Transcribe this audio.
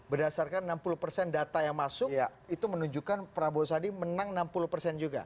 berdasarkan enam puluh persen data yang masuk itu menunjukkan prabowo sandi menang enam puluh persen juga